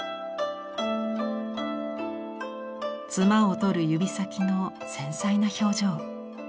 褄を取る指先の繊細な表情。